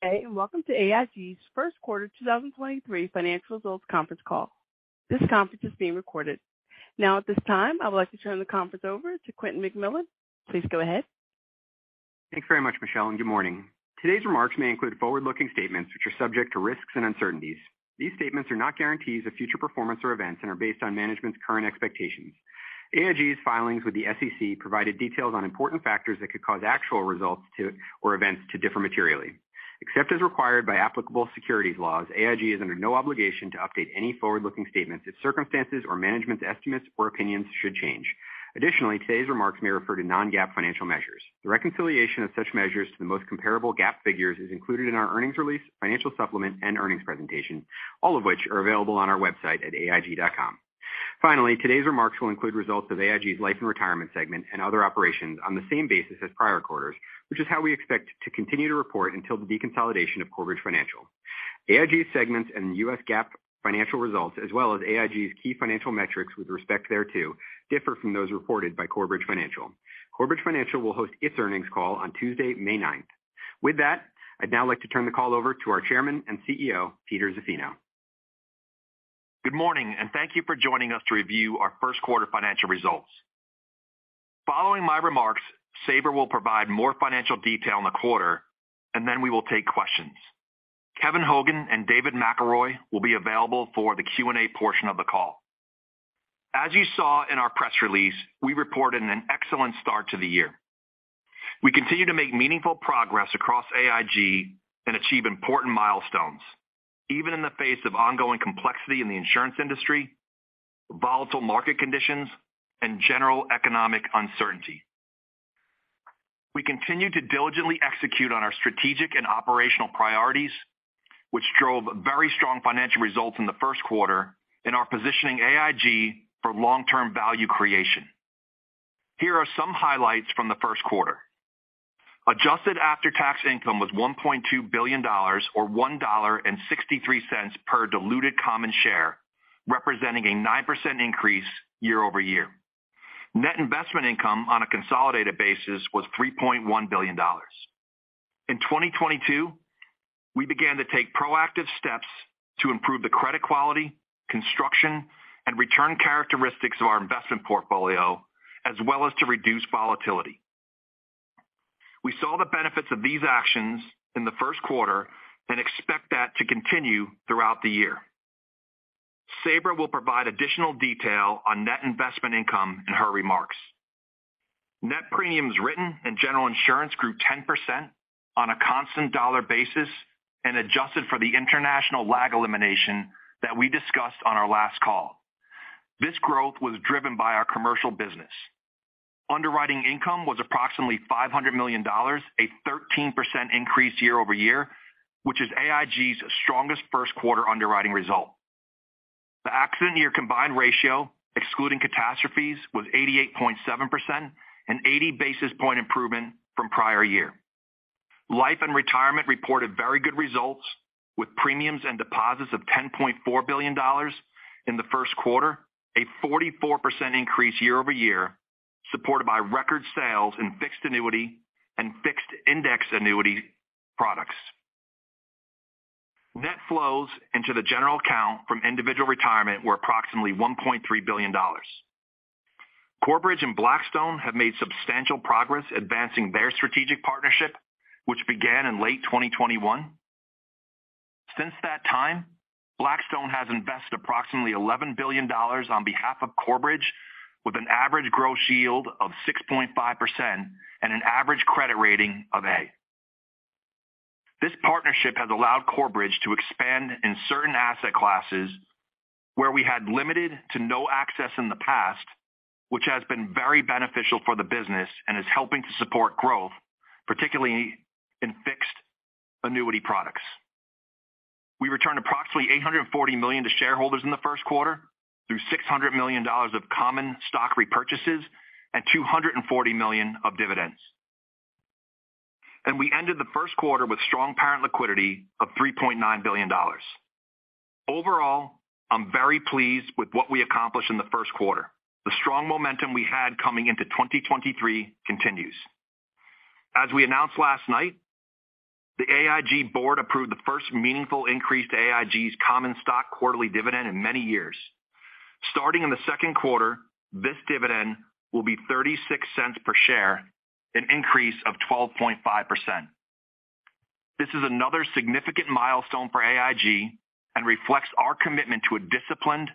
Hey, welcome to AIG's first quarter 2023 financial results conference call. This conference is being recorded. At this time, I would like to turn the conference over to Quentin McMillan. Please go ahead. Thanks very much, Michelle, and good morning. Today's remarks may include forward-looking statements which are subject to risks and uncertainties. These statements are not guarantees of future performance or events and are based on management's current expectations. AIG's filings with the SEC provided details on important factors that could cause actual results or events to differ materially. Except as required by applicable securities laws, AIG is under no obligation to update any forward-looking statements if circumstances or management's estimates or opinions should change. Additionally, today's remarks may refer to non-GAAP financial measures. The reconciliation of such measures to the most comparable GAAP figures is included in our earnings release, financial supplement and earnings presentation, all of which are available on our website at aig.com. Today's remarks will include results of AIG's life and retirement segment and other operations on the same basis as prior quarters, which is how we expect to continue to report until the deconsolidation of Corebridge Financial. AIG segments and U.S. GAAP financial results, as well as AIG's key financial metrics with respect thereto differ from those reported by Corebridge Financial. Corebridge Financial will host its earnings call on Tuesday, May 9th. I'd now like to turn the call over to our Chairman and CEO, Peter Zaffino. Good morning, and thank you for joining us to review our first quarter financial results. Following my remarks, Sabra will provide more financial detail on the quarter. We will take questions. Kevin Hogan and David McElroy will be available for the Q&A portion of the call. As you saw in our press release, we reported an excellent start to the year. We continue to make meaningful progress across AIG and achieve important milestones, even in the face of ongoing complexity in the insurance industry, volatile market conditions and general economic uncertainty. We continue to diligently execute on our strategic and operational priorities, which drove very strong financial results in the first quarter and are positioning AIG for long-term value creation. Here are some highlights from the first quarter. Adjusted after-tax income was $1.2 billion or $1.63 per diluted common share, representing a 9% increase year-over-year. Net investment income on a consolidated basis was $3.1 billion. In 2022, we began to take proactive steps to improve the credit quality, construction and return characteristics of our investment portfolio, as well as to reduce volatility. We saw the benefits of these actions in the first quarter and expect that to continue throughout the year. Sabra will provide additional detail on net investment income in her remarks. Net premiums written in General Insurance grew 10% on a constant dollar basis and adjusted for the international lag elimination that we discussed on our last call. This growth was driven by our commercial business. Underwriting income was approximately $500 million, a 13% increase year over year, which is AIG's strongest first quarter underwriting result. The accident year combined ratio, excluding catastrophes, was 88.7%, an 80 basis point improvement from prior year. Life and Retirement reported very good results, with premiums and deposits of $10.4 billion in the first quarter, a 44% increase year over year, supported by record sales in fixed annuity and fixed index annuity products. Net flows into the general account from individual retirement were approximately $1.3 billion. Corebridge and Blackstone have made substantial progress advancing their strategic partnership, which began in late 2021. Since that time, Blackstone has invested approximately $11 billion on behalf of Corebridge with an average gross yield of 6.5% and an average credit rating of A. This partnership has allowed Corebridge to expand in certain asset classes where we had limited to no access in the past, which has been very beneficial for the business and is helping to support growth, particularly in fixed annuity products. We returned approximately $840 million to shareholders in the first quarter through $600 million of common stock repurchases and $240 million of dividends. We ended the first quarter with strong parent liquidity of $3.9 billion. Overall, I'm very pleased with what we accomplished in the first quarter. The strong momentum we had coming into 2023 continues. As we announced last night, the AIG board approved the first meaningful increase to AIG's common stock quarterly dividend in many years. Starting in the second quarter, this dividend will be $0.36 per share, an increase of 12.5%. This is another significant milestone for AIG and reflects our commitment to a disciplined,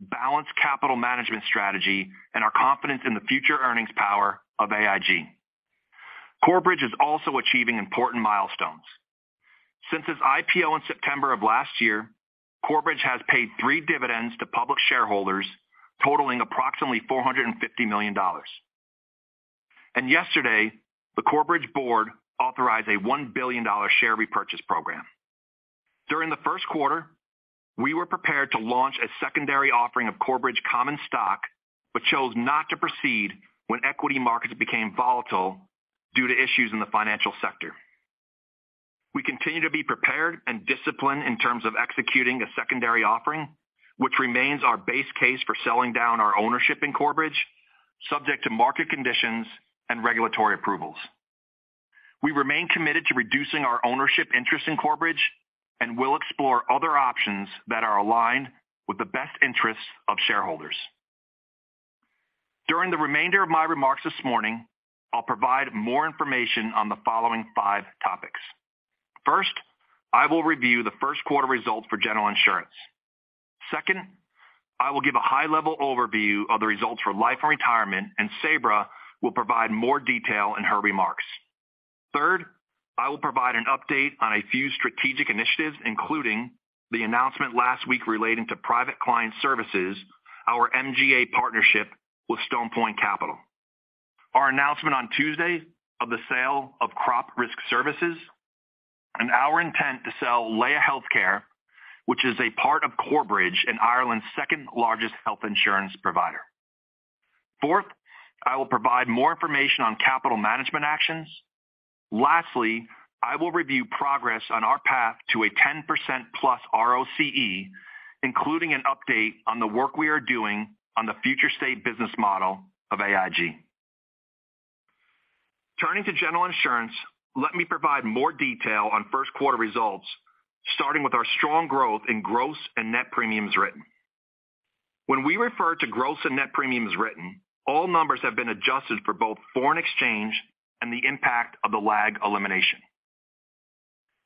balanced capital management strategy and our confidence in the future earnings power of AIG. Corebridge is also achieving important milestones. Since its IPO in September of last year, Corebridge has paid three dividends to public shareholders, totaling approximately $450 million. Yesterday, the Corebridge board authorized a $1 billion share repurchase program. During the first quarter, we were prepared to launch a secondary offering of Corebridge common stock but chose not to proceed when equity markets became volatile due to issues in the financial sector. We continue to be prepared and disciplined in terms of executing a secondary offering, which remains our base case for selling down our ownership in Corebridge. Subject to market conditions and regulatory approvals. We remain committed to reducing our ownership interest in Corebridge, we'll explore other options that are aligned with the best interests of shareholders. During the remainder of my remarks this morning, I'll provide more information on the following five topics. First, I will review the first quarter results for General Insurance. Second, I will give a high-level overview of the results for Life & Retirement, Sabra will provide more detail in her remarks. Third, I will provide an update on a few strategic initiatives, including the announcement last week relating to Private Client Select Insurance Services, our MGA partnership with Stone Point Capital. Our announcement on Tuesday of the sale of Crop Risk Services, and our intent to sell Laya Healthcare, which is a part of Corebridge and Ireland's second-largest health insurance provider. I will provide more information on capital management actions. I will review progress on our path to a 10%+ ROCE, including an update on the work we are doing on the future state business model of AIG. Turning to General Insurance, let me provide more detail on first quarter results, starting with our strong growth in gross and net premiums written. When we refer to gross and net premiums written, all numbers have been adjusted for both foreign exchange and the impact of the lag elimination.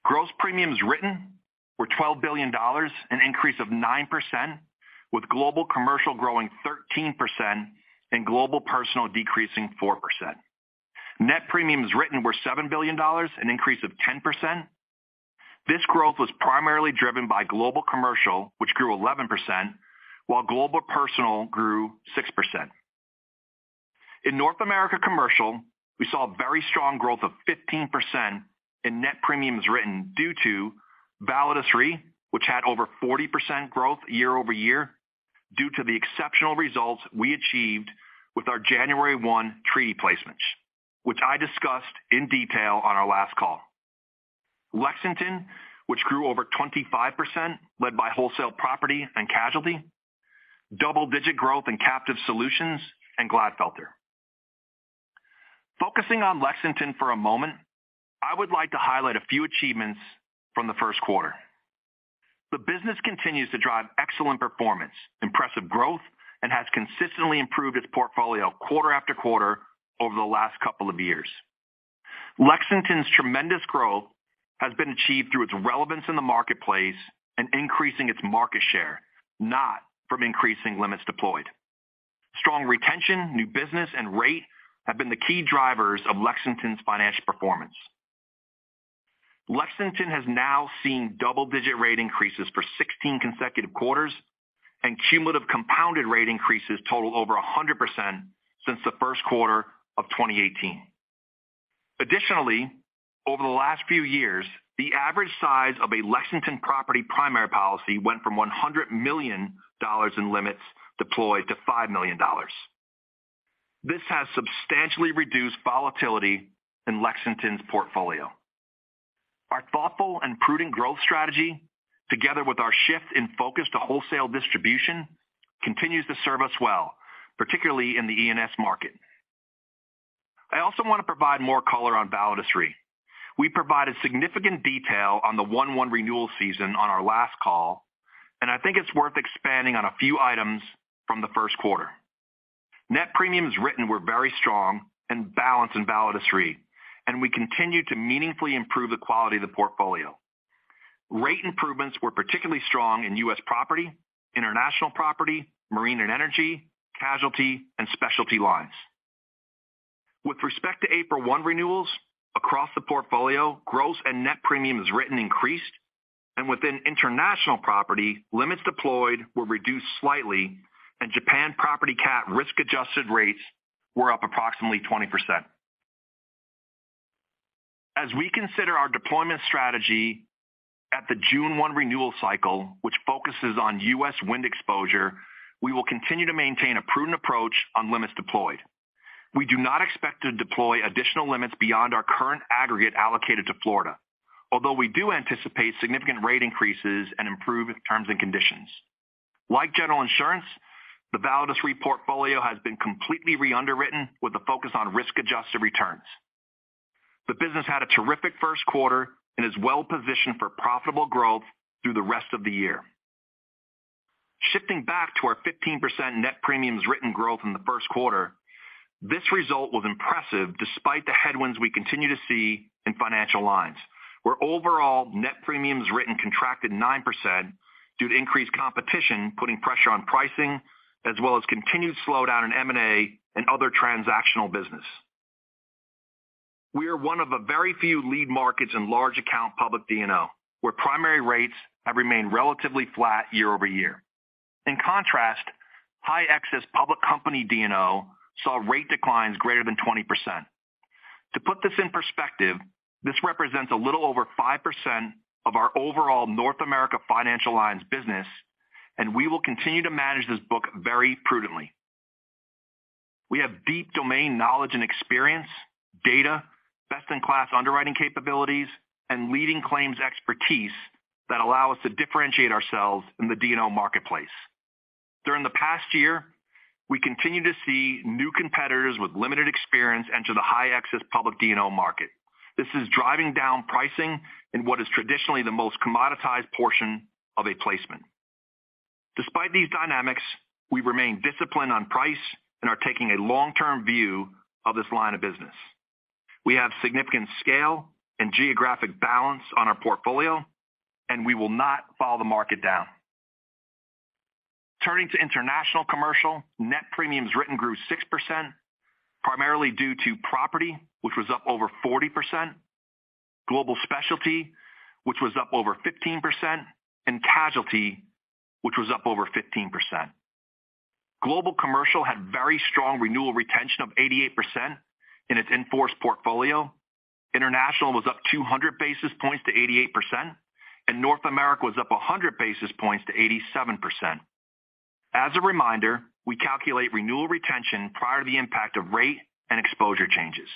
Gross premiums written were $12 billion, an increase of 9%, with global commercial growing 13% and global personal decreasing 4%. Net premiums written were $7 billion, an increase of 10%. This growth was primarily driven by global commercial, which grew 11%, while global personal grew 6%. In North America Commercial, we saw a very strong growth of 15% in net premiums written due to Validus Re, which had over 40% growth year-over-year due to the exceptional results we achieved with our January 1 treaty placements, which I discussed in detail on our last call. Lexington, which grew over 25% led by wholesale property and casualty, double-digit growth in captive solutions and Glatfelter. Focusing on Lexington for a moment, I would like to highlight a few achievements from the first quarter. The business continues to drive excellent performance, impressive growth, and has consistently improved its portfolio quarter after quarter over the last couple of years. Lexington's tremendous growth has been achieved through its relevance in the marketplace and increasing its market share, not from increasing limits deployed. Strong retention, new business, and rate have been the key drivers of Lexington's financial performance. Lexington has now seen double-digit rate increases for 16 consecutive quarters, and cumulative compounded rate increases total over 100% since the first quarter of 2018. Additionally, over the last few years, the average size of a Lexington property primary policy went from $100 million in limits deployed to $5 million. This has substantially reduced volatility in Lexington's portfolio. Our thoughtful and prudent growth strategy, together with our shift in focus to wholesale distribution, continues to serve us well, particularly in the E&S market. I also want to provide more color on Validus Re. We provided significant detail on the 1/1 renewal season on our last call, and I think it's worth expanding on a few items from the 1st quarter. Net premiums written were very strong and balanced in Validus Re, and we continued to meaningfully improve the quality of the portfolio. Rate improvements were particularly strong in U.S. property, international property, marine and energy, casualty, and specialty lines. With respect to April 1 renewals across the portfolio, gross and net premiums written increased, and within international property, limits deployed were reduced slightly, and Japan property cat risk-adjusted rates were up approximately 20%. As we consider our deployment strategy at the June 1 renewal cycle, which focuses on U.S. wind exposure, we will continue to maintain a prudent approach on limits deployed. We do not expect to deploy additional limits beyond our current aggregate allocated to Florida, although we do anticipate significant rate increases and improve terms and conditions. Like general insurance, the Validus Re portfolio has been completely re-underwritten with a focus on risk-adjusted returns. The business had a terrific first quarter and is well-positioned for profitable growth through the rest of the year. Shifting back to our 15% net premiums written growth in the first quarter, this result was impressive despite the headwinds we continue to see in financial lines, where overall net premiums written contracted 9% due to increased competition, putting pressure on pricing as well as continued slowdown in M&A and other transactional business. We are one of a very few lead markets in large account public D&O, where primary rates have remained relatively flat year-over-year. In contrast, high-excess public company D&O saw rate declines greater than 20%. To put this in perspective, this represents a little over 5% of our overall North America Financial lines business. We will continue to manage this book very prudently. We have deep domain knowledge and experience, dataBase-in-class underwriting capabilities and leading claims expertise that allow us to differentiate ourselves in the D&O marketplace. During the past year, we continue to see new competitors with limited experience enter the high excess public D&O market. This is driving down pricing in what is traditionally the most commoditized portion of a placement. Despite these dynamics, we remain disciplined on price and are taking a long-term view of this line of business. We have significant scale and geographic balance on our portfolio. We will not follow the market down. Turning to International Commercial, net premiums written grew 6%, primarily due to property, which was up over 40%, Global Specialty, which was up over 15%, and casualty, which was up over 15%. Global Commercial had very strong renewal retention of 88% in its in-force portfolio. International was up 200 basis points to 88%. North America was up 100 basis points to 87%. As a reminder, we calculate renewal retention prior to the impact of rate and exposure changes.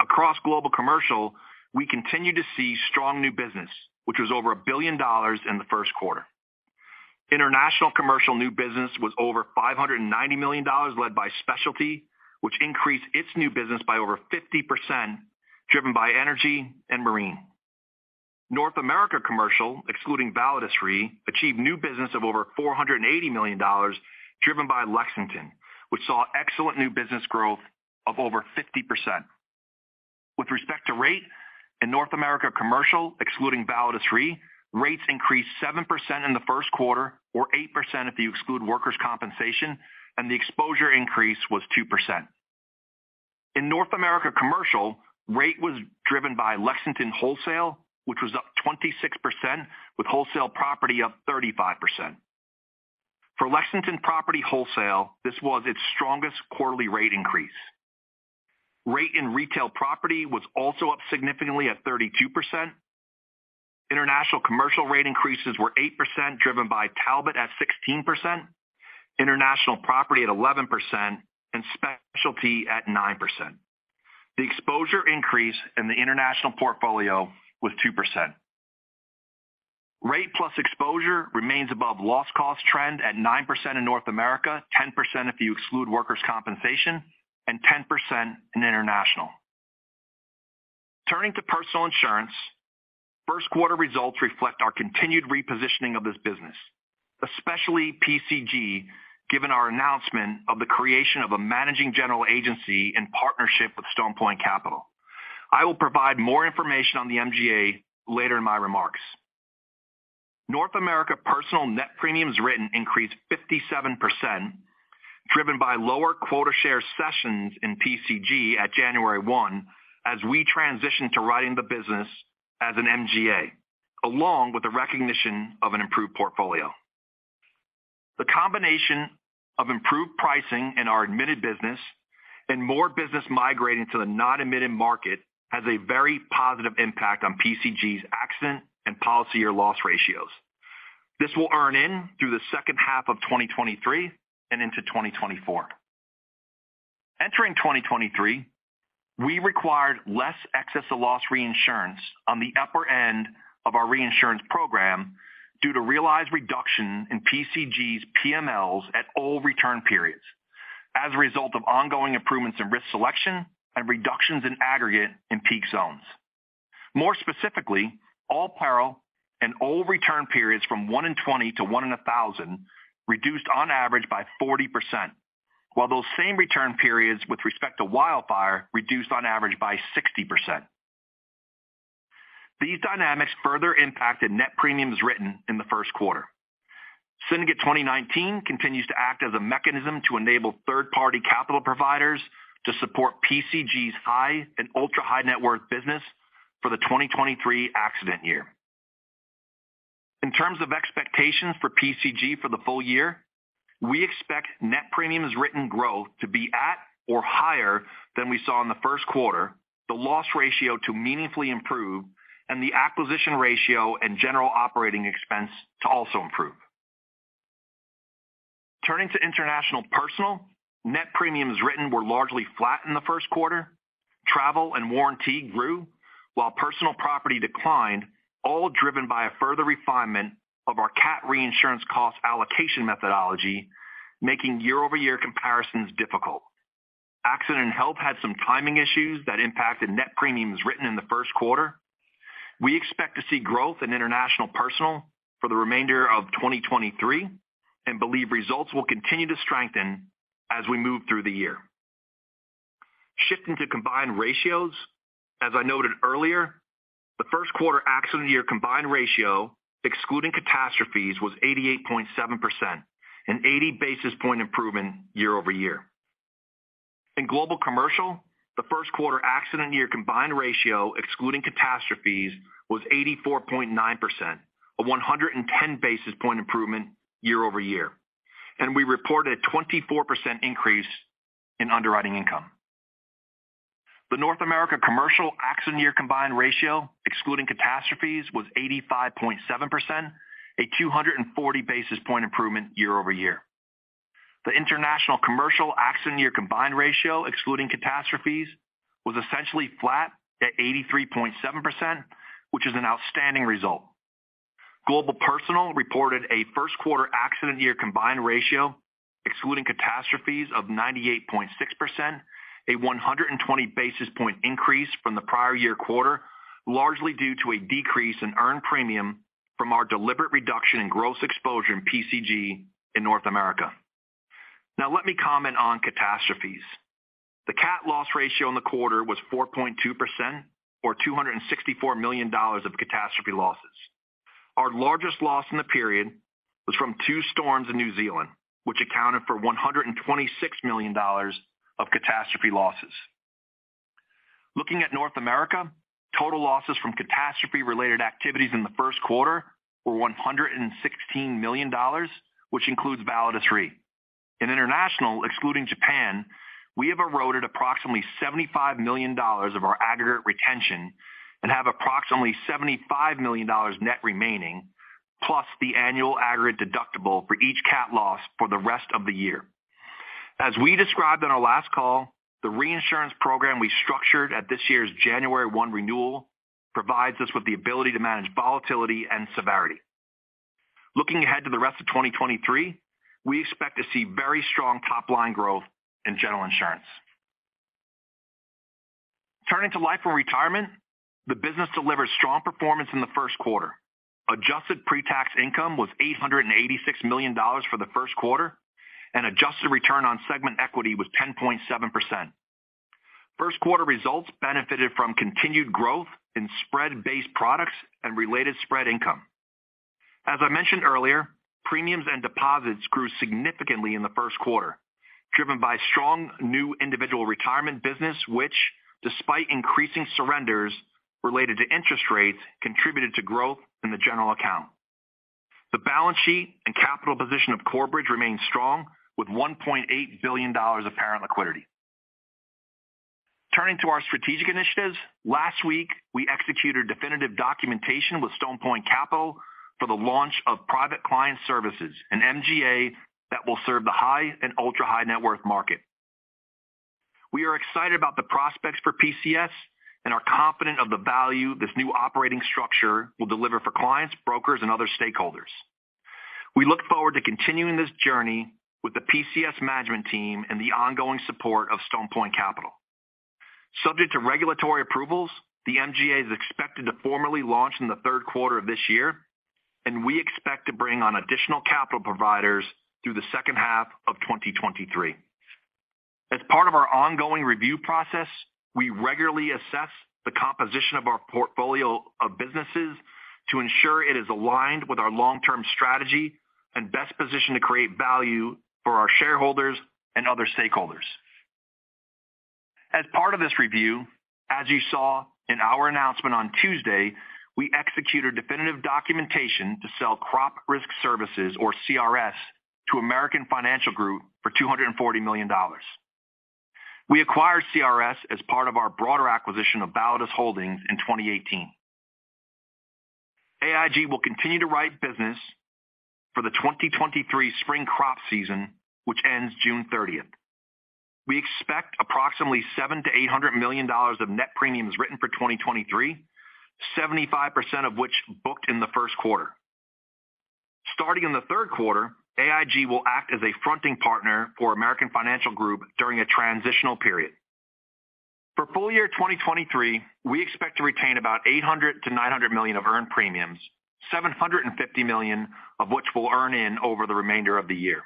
Across Global Commercial, we continue to see strong new business, which was over $1 billion in the first quarter. International Commercial new business was over $590 million, led by Specialty, which increased its new business by over 50%, driven by energy and marine. North America Commercial, excluding Validus Re, achieved new business of over $480 million, driven by Lexington, which saw excellent new business growth of over 50%. With respect to rate, in North America Commercial, excluding Validus Re, rates increased 7% in the first quarter, or 8% if you exclude workers' compensation, and the exposure increase was 2%. In North America Commercial, rate was driven by Lexington Wholesale, which was up 26%, with wholesale property up 35%. For Lexington Property Wholesale, this was its strongest quarterly rate increase. Rate in retail property was also up significantly at 32%. International commercial rate increases were 8%, driven by Talbot at 16%, international property at 11%, and specialty at 9%. The exposure increase in the international portfolio was 2%. Rate plus exposure remains above loss cost trend at 9% in North America, 10% if you exclude workers' compensation, and 10% in international. Turning to personal insurance, first quarter results reflect our continued repositioning of this business, especially PCG, given our announcement of the creation of a managing general agency in partnership with Stone Point Capital. I will provide more information on the MGA later in my remarks. North America personal net premiums written increased 57%, driven by lower quota share sessions in PCG at January 1 as we transition to writing the business as an MGA, along with the recognition of an improved portfolio. The combination of improved pricing in our admitted business and more business migrating to the non-admitted market has a very positive impact on PCG's accident and policy or loss ratios. This will earn in through the second half of 2023 and into 2024. Entering 2023, we required less excess of loss reinsurance on the upper end of our reinsurance program due to realized reduction in PCG's PMLs at all return periods as a result of ongoing improvements in risk selection and reductions in aggregate in peak zones. More specifically, all peril and all return periods from 1 in 20 to 1 in 1,000 reduced on average by 40%, while those same return periods with respect to wildfire reduced on average by 60%. These dynamics further impacted net premiums written in the first quarter. Syndicate 2019 continues to act as a mechanism to enable third-party capital providers to support PCG's high and ultra-high net worth business for the 2023 accident year. In terms of expectations for PCG for the full year, we expect net premiums written growth to be at or higher than we saw in the first quarter, the loss ratio to meaningfully improve, and the acquisition ratio and general operating expense to also improve. Turning to international personal, net premiums written were largely flat in the first quarter. Travel and warranty grew while personal property declined, all driven by a further refinement of our cat reinsurance cost allocation methodology, making year-over-year comparisons difficult. Accident and health had some timing issues that impacted net premiums written in the first quarter. We expect to see growth in international personal for the remainder of 2023 and believe results will continue to strengthen as we move through the year. Shifting to combined ratios, as I noted earlier, the first quarter accident year combined ratio, excluding catastrophes, was 88.7%, an 80 basis point improvement year-over-year. In Global Commercial, the first quarter accident year combined ratio, excluding catastrophes, was 84.9%, a 110 basis point improvement year-over-year, and we reported a 24% increase in underwriting income. The North America Commercial accident year combined ratio, excluding catastrophes, was 85.7%, a 240 basis point improvement year-over-year. The International Commercial accident year combined ratio, excluding catastrophes, was essentially flat at 83.7%, which is an outstanding result. Global Personal reported a first quarter accident year combined ratio excluding catastrophes of 98.6%, a 120 basis point increase from the prior year quarter, largely due to a decrease in earned premium from our deliberate reduction in gross exposure in PCG in North America. Let me comment on catastrophes. The cat loss ratio in the quarter was 4.2% or $264 million of catastrophe losses. Our largest loss in the period was from two storms in New Zealand, which accounted for $126 million of catastrophe losses. Looking at North America, total losses from catastrophe-related activities in the first quarter were $116 million, which includes Validus Re. In international, excluding Japan, we have eroded approximately $75 million of our aggregate retention and have approximately $75 million net remaining, plus the annual aggregate deductible for each cat loss for the rest of the year. As we described on our last call, the reinsurance program we structured at this year's January 1 renewal provides us with the ability to manage volatility and severity. Looking ahead to the rest of 2023, we expect to see very strong top-line growth in General Insurance. Turning to Life & Retirement, the business delivered strong performance in the first quarter. Adjusted pre-tax income was $886 million for the first quarter, and adjusted return on segment equity was 10.7%. First quarter results benefited from continued growth in spread-based products and related spread income. As I mentioned earlier, premiums and deposits grew significantly in the first quarter, driven by strong new individual retirement business, which despite increasing surrenders related to interest rates, contributed to growth in the general account. The balance sheet and capital position of Corebridge remains strong with $1.8 billion of parent liquidity. Turning to our strategic initiatives. Last week, we executed definitive documentation with Stone Point Capital for the launch of Private Client Services, an MGA that will serve the high and ultra-high net worth market. We are excited about the prospects for PCS and are confident of the value this new operating structure will deliver for clients, brokers, and other stakeholders. We look forward to continuing this journey with the PCS management team and the ongoing support of Stone Point Capital. Subject to regulatory approvals, the MGA is expected to formally launch in the third quarter of this year, and we expect to bring on additional capital providers through the second half of 2023. As part of our ongoing review process, we regularly assess the composition of our portfolio of businesses to ensure it is aligned with our long-term strategy and best positioned to create value for our shareholders and other stakeholders. As part of this review, as you saw in our announcement on Tuesday, we executed definitive documentation to sell Crop Risk Services, or CRS, to American Financial Group for $240 million. We acquired CRS as part of our broader acquisition of Validus Holdings in 2018. AIG will continue to write business for the 2023 spring crop season, which ends June 30th. We expect approximately $700 million-$800 million of net premiums written for 2023, 75% of which booked in the first quarter. Starting in the third quarter, AIG will act as a fronting partner for American Financial Group during a transitional period. For full year 2023, we expect to retain about $800 million-$900 million of earned premiums, $750 million of which we'll earn in over the remainder of the year.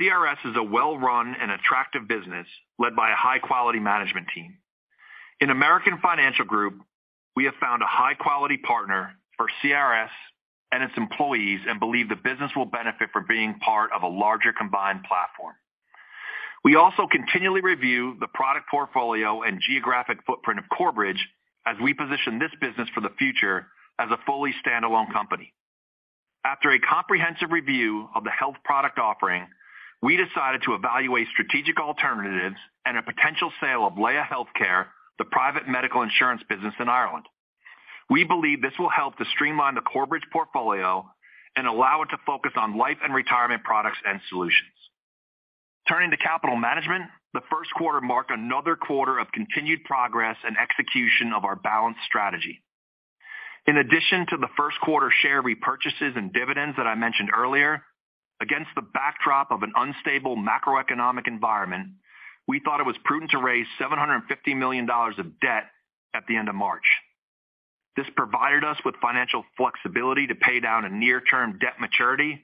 CRS is a well-run and attractive business led by a high-quality management team. In American Financial Group, we have found a high-quality partner for CRS and its employees and believe the business will benefit from being part of a larger combined platform. We also continually review the product portfolio and geographic footprint of Corebridge as we position this business for the future as a fully standalone company. After a comprehensive review of the health product offering, we decided to evaluate strategic alternatives and a potential sale of Laya Healthcare, the private medical insurance business in Ireland. We believe this will help to streamline the Corebridge portfolio and allow it to focus on life and retirement products and solutions. Turning to capital management. The first quarter marked another quarter of continued progress and execution of our balanced strategy. In addition to the first quarter share repurchases and dividends that I mentioned earlier, against the backdrop of an unstable macroeconomic environment, we thought it was prudent to raise $750 million of debt at the end of March. This provided us with financial flexibility to pay down a near-term debt maturity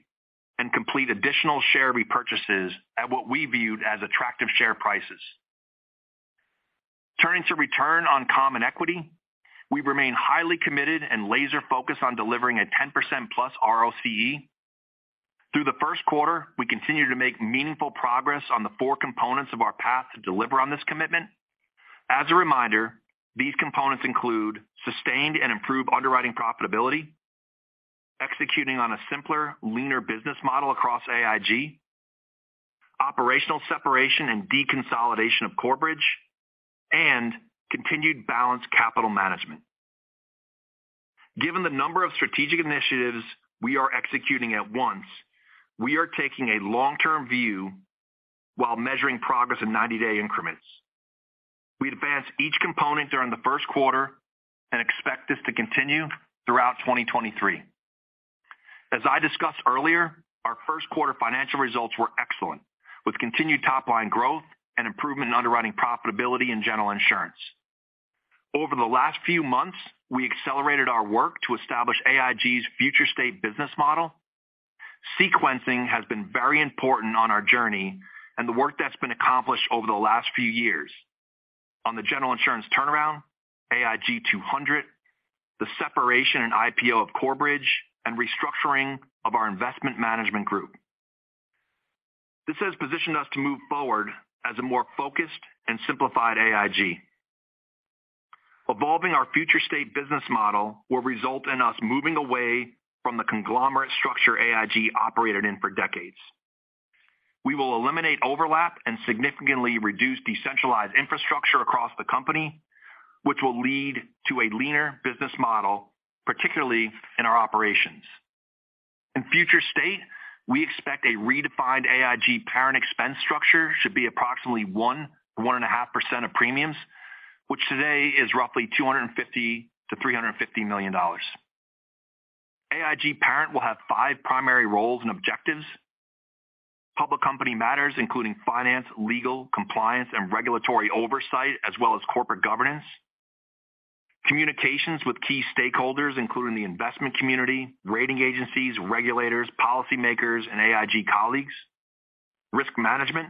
and complete additional share repurchases at what we viewed as attractive share prices. Turning to return on common equity. We remain highly committed and laser-focused on delivering a 10%+ ROCE. Through the first quarter, we continue to make meaningful progress on the four components of our path to deliver on this commitment. As a reminder, these components include sustained and improved underwriting profitability, executing on a simpler, leaner business model across AIG, operational separation and deconsolidation of Corebridge, and continued balanced capital management. Given the number of strategic initiatives we are executing at once, we are taking a long-term view while measuring progress in 90-day increments. We advanced each component during the first quarter and expect this to continue throughout 2023. As I discussed earlier, our first quarter financial results were excellent, with continued top line growth and improvement in underwriting profitability in General Insurance. Over the last few months, we accelerated our work to establish AIG's Future State business model. Sequencing has been very important on our journey and the work that's been accomplished over the last few years on the General Insurance turnaround, AIG 200, the separation and IPO of Corebridge, and restructuring of our investment management group. This has positioned us to move forward as a more focused and simplified AIG. Evolving our Future State business model will result in us moving away from the conglomerate structure AIG operated in for decades. We will eliminate overlap and significantly reduce decentralized infrastructure across the company, which will lead to a leaner business model, particularly in our operations. In Future State, we expect a redefined AIG Parent expense structure should be approximately 1% to 1.5% of premiums, which today is roughly $250 million-$350 million. AIG Parent will have five primary roles and objectives. Public company matters including finance, legal, compliance, and regulatory oversight, as well as corporate governance. Communications with key stakeholders, including the investment community, rating agencies, regulators, policymakers, and AIG colleagues. Risk management.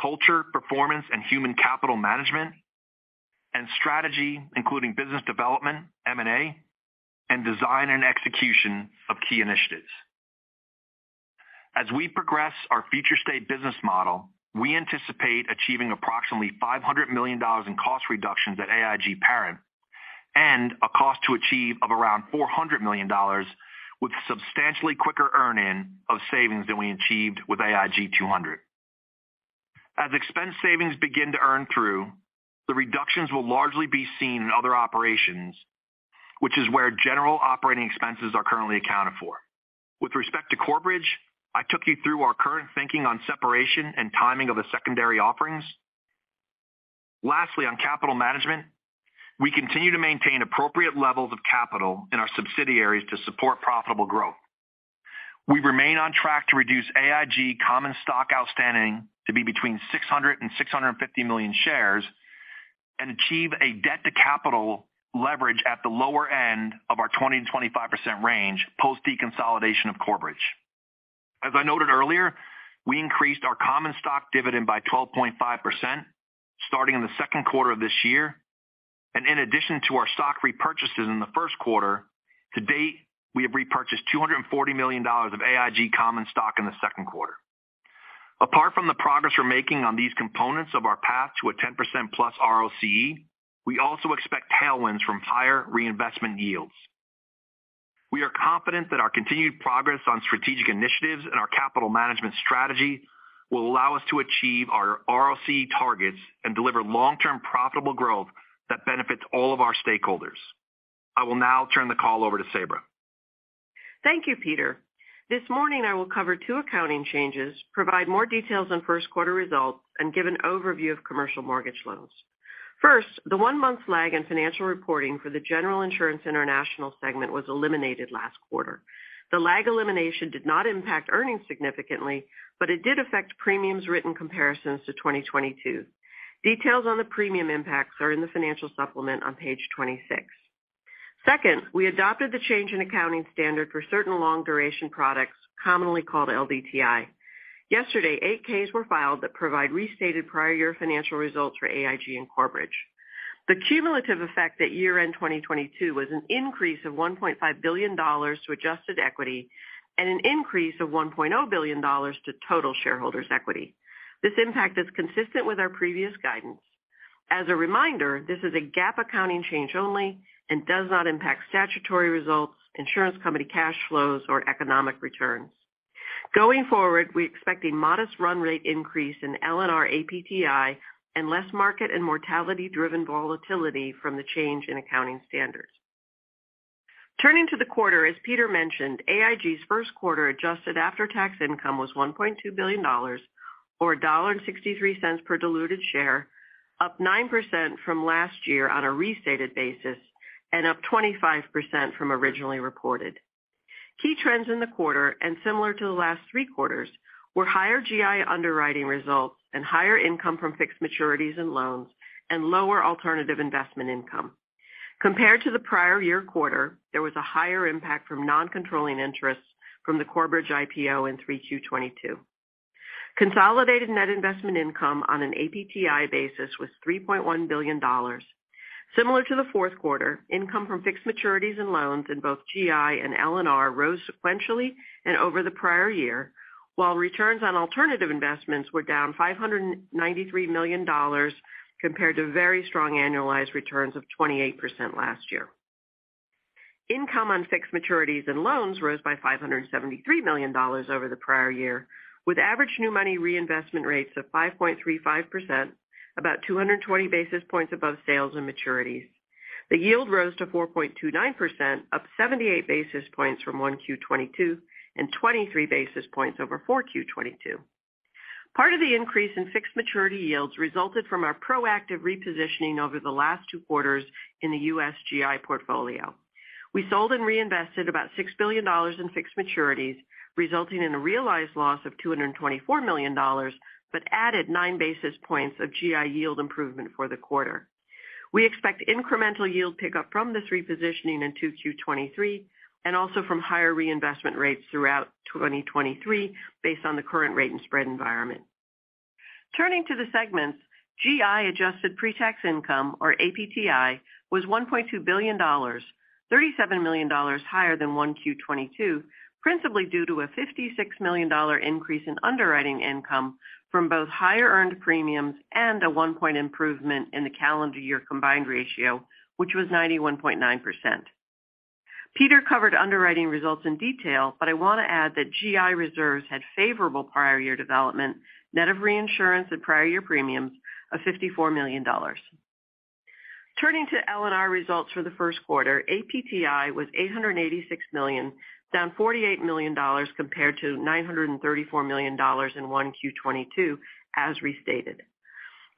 Culture, performance, and human capital management. Strategy, including business development, M&A, and design and execution of key initiatives. As we progress our Future State business model, we anticipate achieving approximately $500 million in cost reductions at AIG Parent and a cost to achieve of around $400 million with substantially quicker earn-in of savings than we achieved with AIG 200. As expense savings begin to earn through, the reductions will largely be seen in other operations, which is where general operating expenses are currently accounted for. With respect to Corebridge, I took you through our current thinking on separation and timing of the secondary offerings. Lastly, on capital management, we continue to maintain appropriate levels of capital in our subsidiaries to support profitable growth. We remain on track to reduce AIG common stock outstanding to be between 600 million and 650 million shares and achieve a debt-to-capital leverage at the lower end of our 20%-25% range post deconsolidation of Corebridge. As I noted earlier, we increased our common stock dividend by 12.5% starting in the second quarter of this year. In addition to our stock repurchases in the first quarter, to date, we have repurchased $240 million of AIG common stock in the second quarter. Apart from the progress we're making on these components of our path to a 10%+ ROCE, we also expect tailwinds from higher reinvestment yields. We are confident that our continued progress on strategic initiatives and our capital management strategy will allow us to achieve our ROCE targets and deliver long-term profitable growth that benefits all of our stakeholders. I will now turn the call over to Sabra. Thank you, Peter. This morning, I will cover two accounting changes, provide more details on 1st quarter results, and give an overview of commercial mortgage loans. First, the one-month lag in financial reporting for the General Insurance International segment was eliminated last quarter. The lag elimination did not impact earnings significantly, but it did affect premiums written comparisons to 2022. Details on the premium impacts are in the financial supplement on page 26. Second, we adopted the change in accounting standard for certain long duration products, commonly called LDTI. Yesterday, 8-Ks were filed that provide restated prior year financial results for AIG and Corebridge. The cumulative effect at year-end 2022 was an increase of $1.5 billion to adjusted equity and an increase of $1.0 billion to total shareholders' equity. This impact is consistent with our previous guidance. As a reminder, this is a GAAP accounting change only and does not impact statutory results, insurance company cash flows, or economic returns. Going forward, we expect a modest run rate increase in LNR APTI and less market and mortality-driven volatility from the change in accounting standards. Turning to the quarter, as Peter mentioned, AIG's 1st quarter adjusted after-tax income was $1.2 billion or $1.63 per diluted share, up 9% from last year on a restated basis and up 25% from originally reported. Key trends in the quarter, and similar to the last three quarters, were higher GI underwriting results and higher income from fixed maturities and loans and lower alternative investment income. Compared to the prior year quarter, there was a higher impact from non-controlling interests from the Corebridge IPO in 3Q 2022. Consolidated net investment income on an APTI basis was $3.1 billion. Similar to the fourth quarter, income from fixed maturities and loans in both GI and L&R rose sequentially and over the prior year, while returns on alternative investments were down $593 million compared to very strong annualized returns of 28% last year. Income on fixed maturities and loans rose by $573 million over the prior year, with average new money reinvestment rates of 5.35%, about 220 basis points above sales and maturities. The yield rose to 4.29%, up 78 basis points from 1Q22 and 23 basis points over 4Q22. Part of the increase in fixed maturity yields resulted from our proactive repositioning over the last two quarters in the U.S. GI portfolio. We sold and reinvested about $6 billion in fixed maturities, resulting in a realized loss of $224 million, but added 9 basis points of GI yield improvement for the quarter. We expect incremental yield pickup from this repositioning in 2Q23, and also from higher reinvestment rates throughout 2023 based on the current rate and spread environment. Turning to the segments, GI adjusted pretax income, or APTI, was $1.2 billion, $37 million higher than 1Q22, principally due to a $56 million increase in underwriting income from both higher earned premiums and a 1-point improvement in the calendar year combined ratio, which was 91.9%. Peter covered underwriting results in detail, but I want to add that GI reserves had favorable prior year development, net of reinsurance and prior year premiums of $54 million. Turning to LNR results for the first quarter, APTI was $886 million, down $48 million compared to $934 million in 1Q22 as restated.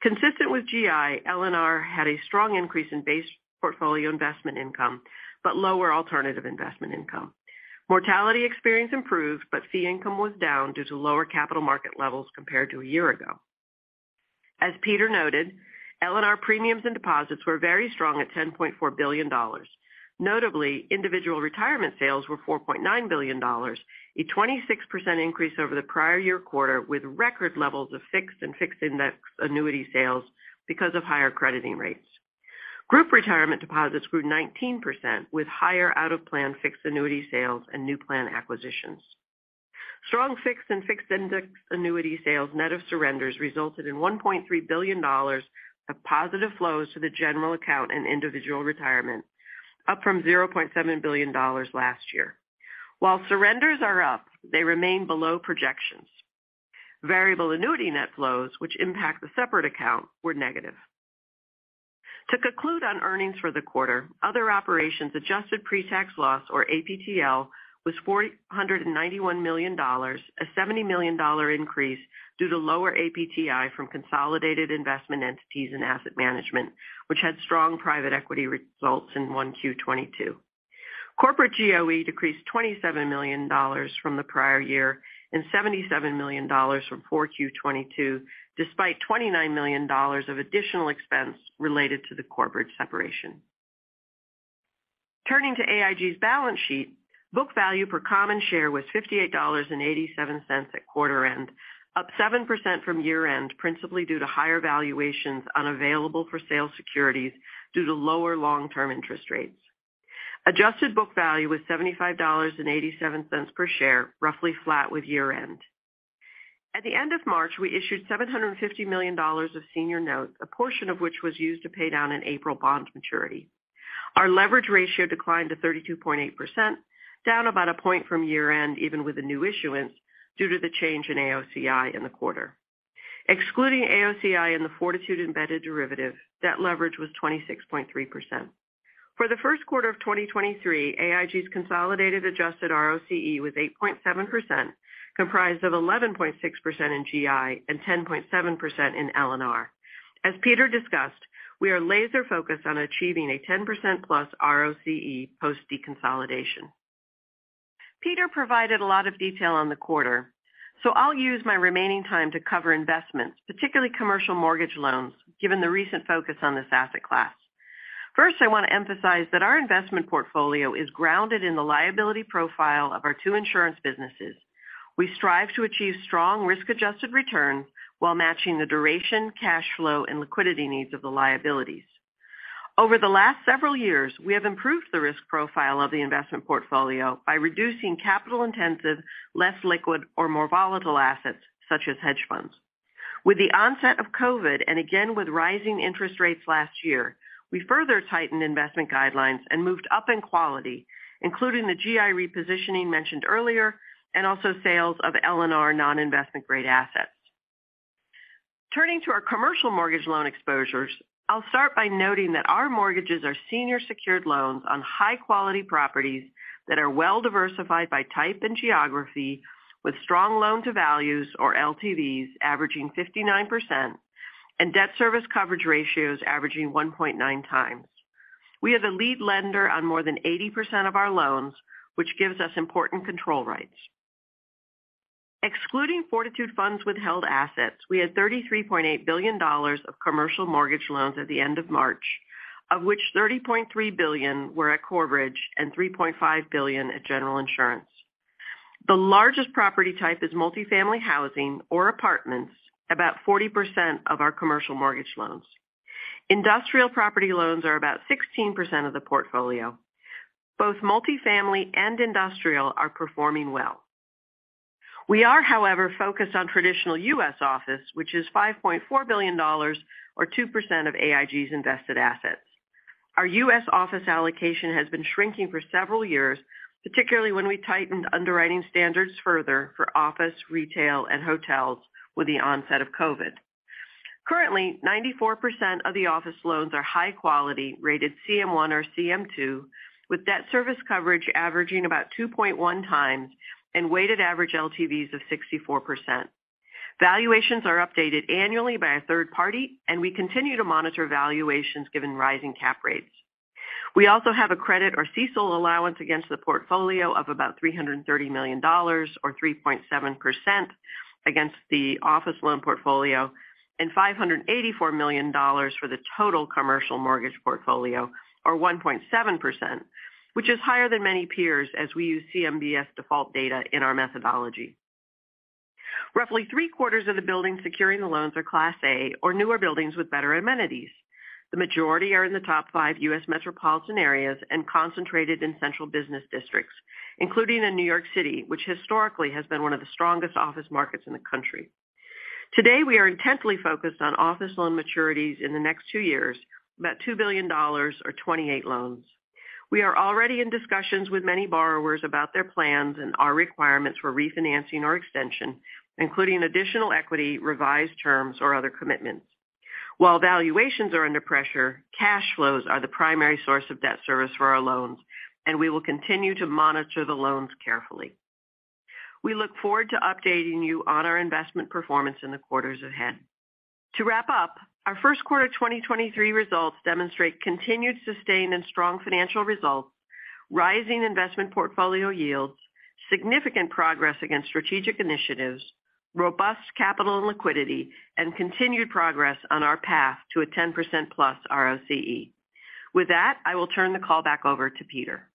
Consistent with GI, LNR had a strong increase in base portfolio investment income, but lower alternative investment income. Mortality experience improved, but fee income was down due to lower capital market levels compared to a year ago. As Peter noted, LNR premiums and deposits were very strong at $10.4 billion. Notably, individual retirement sales were $4.9 billion, a 26% increase over the prior year quarter, with record levels of fixed and fixed index annuity sales because of higher crediting rates. Group retirement deposits grew 19% with higher out-of-plan fixed annuity sales and new plan acquisitions. Strong fixed and fixed index annuity sales net of surrenders resulted in $1.3 billion of positive flows to the general account and individual retirement, up from $0.7 billion last year. While surrenders are up, they remain below projections. Variable annuity net flows which impact the separate account were negative. To conclude on earnings for the quarter, other operations adjusted pre-tax loss, or APTL, was $491 million, a $70 million increase due to lower APTI from consolidated investment entities and asset management, which had strong private equity results in 1Q22. Corporate GOE decreased $27 million from the prior year and $77 million from 4Q22, despite $29 million of additional expense related to the corporate separation. Turning to AIG's balance sheet, book value per common share was $58.87 at quarter end, up 7% from year-end, principally due to higher valuations unavailable for sale securities due to lower long-term interest rates. Adjusted book value was $75.87 per share, roughly flat with year-end. At the end of March, we issued $750 million of senior notes, a portion of which was used to pay down an April bond maturity. Our leverage ratio declined to 32.8%, down about a point from year-end, even with the new issuance, due to the change in AOCI in the quarter. Excluding AOCI and the Fortitude embedded derivative, debt leverage was 26.3%. For the first quarter of 2023, AIG's consolidated adjusted ROCE was 8.7%, comprised of 11.6% in GI and 10.7% in LNR. As Peter discussed, we are laser-focused on achieving a 10%+ ROCE post deconsolidation. Peter provided a lot of detail on the quarter, so I'll use my remaining time to cover investments, particularly commercial mortgage loans, given the recent focus on this asset class. I want to emphasize that our investment portfolio is grounded in the liability profile of our two insurance businesses. We strive to achieve strong risk-adjusted return while matching the duration, cash flow, and liquidity needs of the liabilities. Over the last several years, we have improved the risk profile of the investment portfolio by reducing capital-intensive, less liquid or more volatile assets such as hedge funds. With the onset of COVID and again with rising interest rates last year, we further tightened investment guidelines and moved up in quality, including the GI repositioning mentioned earlier and also sales of LNR non-investment grade assets. Turning to our commercial mortgage loan exposures, I'll start by noting that our mortgages are senior secured loans on high-quality properties that are well-diversified by type and geography with strong loan-to-values or LTVs averaging 59% and debt service coverage ratios averaging 1.9 times. We are the lead lender on more than 80% of our loans, which gives us important control rights. Excluding Fortitude funds withheld assets, we had $33.8 billion of commercial mortgage loans at the end of March, of which $30.3 billion were at Corebridge and $3.5 billion at General Insurance. The largest property type is multifamily housing or apartments, about 40% of our commercial mortgage loans. Industrial property loans are about 16% of the portfolio. Both multifamily and industrial are performing well. We are, however, focused on traditional US office, which is $5.4 billion or 2% of AIG's invested assets. Our U.S. office allocation has been shrinking for several years, particularly when we tightened underwriting standards further for office, retail, and hotels with the onset of COVID. Currently, 94% of the office loans are high quality, rated CM1 or CM2, with debt service coverage averaging about 2.1 times and weighted average LTVs of 64%. Valuations are updated annually by a third party, and we continue to monitor valuations given rising cap rates. We also have a credit or CECL allowance against the portfolio of about $330 million or 3.7% against the office loan portfolio and $584 million for the total commercial mortgage portfolio or 1.7%, which is higher than many peers as we use CMBS default data in our methodology. Roughly three-quarters of the buildings securing the loans are class A or newer buildings with better amenities. The majority are in the top five U.S. metropolitan areas and concentrated in central business districts, including in New York City, which historically has been one of the strongest office markets in the country. Today, we are intensely focused on office loan maturities in the next two years, about $2 billion or 28 loans. We are already in discussions with many borrowers about their plans and our requirements for refinancing or extension, including additional equity, revised terms or other commitments. While valuations are under pressure, cash flows are the primary source of debt service for our loans, and we will continue to monitor the loans carefully. We look forward to updating you on our investment performance in the quarters ahead. To wrap up, our first quarter of 2023 results demonstrate continued sustained and strong financial results, rising investment portfolio yields, significant progress against strategic initiatives, robust capital and liquidity, and continued progress on our path to a 10%+ ROCE. With that, I will turn the call back over to Peter.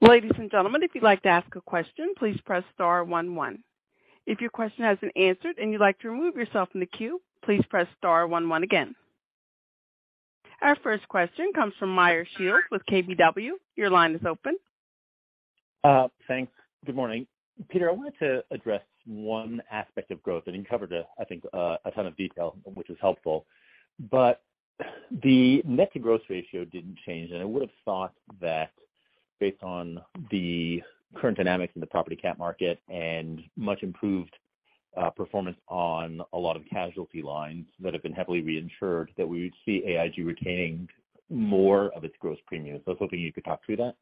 Ladies and gentlemen, if you'd like to ask a question, please press star 11. If your question has been answered and you'd like to remove yourself from the queue, please press star 11 again. Our first question comes from Meyer Shields with KBW. Your line is open. Thanks. Good morning. Peter, I wanted to address one aspect of growth, and you covered it, I think, a ton of detail, which was helpful. The net-to-gross ratio didn't change, and I would've thought that based on the current dynamics in the property cap market and much improved performance on a lot of casualty lines that have been heavily reinsured, that we would see AIG retaining more of its gross premium. I was hoping you could talk through that.